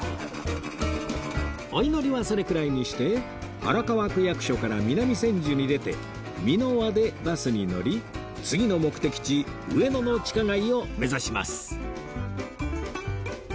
お祈りはそれくらいにして荒川区役所から南千住に出て三ノ輪でバスに乗り次の目的地上野の地下街を目指します